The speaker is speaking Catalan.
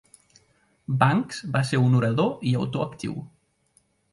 Banks va ser un orador i autor actiu.